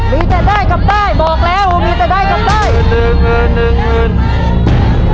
มีจะได้กับได้บอกแล้วมีจะได้กับได้